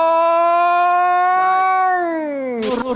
ร้องได้ให้ล้าง